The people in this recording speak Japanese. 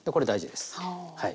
はい。